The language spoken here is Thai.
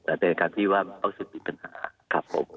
แต่ในการที่ว่าเขาก็คือมีปัญหาครับผม